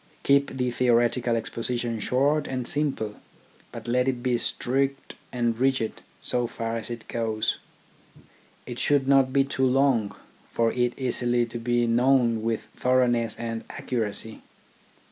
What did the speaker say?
Keep the theoretical exposition short and simple, but let it be strict and rigid THE AIMS OF EDUCATION 9 so far as it goes. It should not be too long for it easily to be known with thoroughness and accuracy.